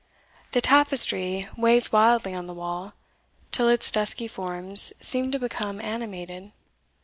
The tapestry waved wildly on the wall, till its dusky forms seemed to become animated.